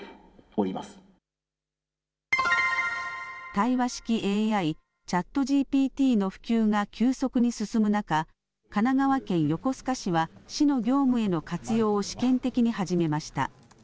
対話式ＡＩ、ＣｈａｔＧＰＴの普及が急速に進む中、神奈川県横須賀市は市の業務への活用を試験的に始めました。